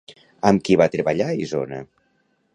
Amb qui va treballar Isona?